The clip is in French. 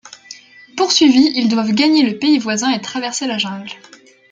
Poursuivis, ils doivent gagner le pays voisin et traverser la jungle.